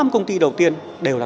bốn năm công ty đầu tiên đều là